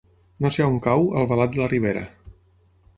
No sé on cau Albalat de la Ribera.